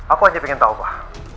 aku hanya ingin tahu pak